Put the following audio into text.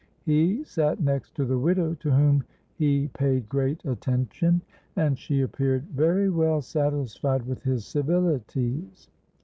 He sate next to the widow, to whom he paid great attention; and she appeared very well satisfied with his civilities.